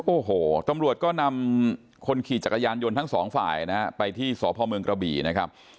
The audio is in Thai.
โอ้โหตำรวจก็นำคนขี่จักรยานยนต์ทั้งสองฝ่ายนะฮะไปที่สพเมืองกระบี่นะครับ